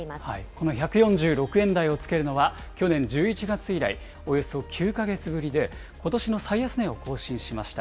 この１４６円台を付けるのは、去年１１月以来、およそ９か月ぶりで、ことしの最安値を更新しました。